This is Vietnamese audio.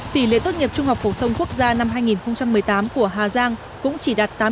tỷ lệ tốt nghiệp trung học phổ thông quốc gia năm hai nghìn một mươi tám của hà giang cũng chỉ đạt tám mươi chín ba mươi năm